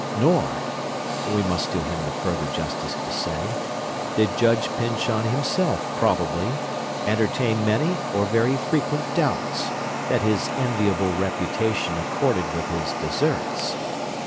Nor (we must do him the further justice to say) did Judge Pyncheon himself, probably, entertain many or very frequent doubts, that his enviable reputation accorded with his deserts.